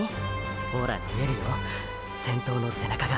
ほら見えるよ先頭の背中が。